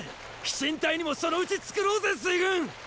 飛信隊にもそのうち作ろうぜ水軍！